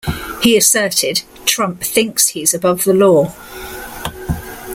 He asserted, "Trump thinks he's above the law".